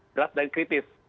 berat dan kritis